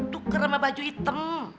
tuker sama baju hitam